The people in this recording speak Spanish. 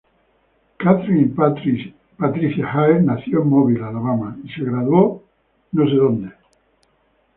Kathryn Patricia Hire, nació en Mobile, Alabama, y se graduó en la "St.